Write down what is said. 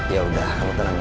ya udah kamu tenang aja